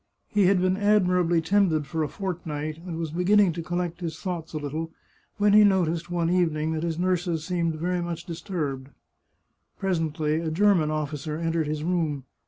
He had been admirably tended for a fortnight, and was beginning to collect his thoughts a little, when he noticed, one evening, that his nurses seemed very much disturbed. Presently a German officer entered his room.